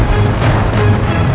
aku ingin menemukanmu